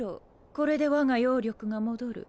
これでわが妖力が戻る。